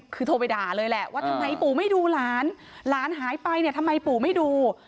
คือโทรไปด่าเลยแหละว่าทำไมปู่ไม่ดูหลานหลานหายไปเนี่ยทำไมปู่ไม่ดู